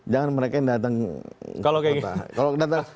jangan mereka yang datang ke kota